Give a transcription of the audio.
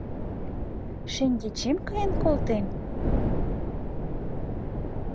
Шеҥгечем каен колтен?